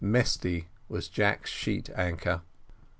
Mesty was Jack's sheet anchor.